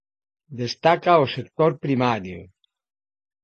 Destaca o sector primario.